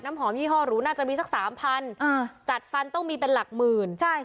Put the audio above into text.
หอมยี่ห้อหรูน่าจะมีสักสามพันอ่าจัดฟันต้องมีเป็นหลักหมื่นใช่